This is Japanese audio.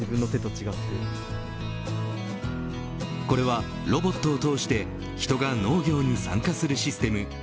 これは、ロボットを通して人が農業に参加するシステム。